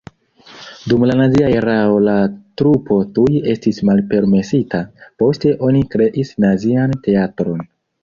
Dum la nazia erao la trupo tuj estis malpermesita, poste oni kreis nazian teatron.